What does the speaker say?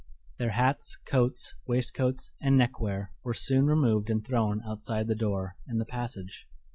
Their hats, coats, waistcoats, and neckwear were soon removed and thrown outside the door, in the passage.